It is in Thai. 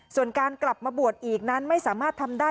ส่วนการกลับมาบวชอีกนั้นไม่สามารถทำได้